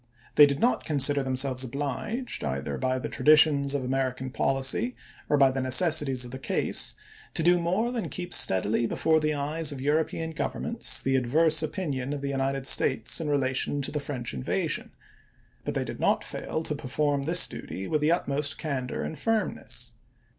They did not consider themselves obliged, either by the tra ditions of American policy or by the necessities of the case, to do more than keep steadily before the eyes of European governments the adverse opinion of the United States in relation to the French in vasion ; but they did not fail to perform this duty with the utmost candor and firmness.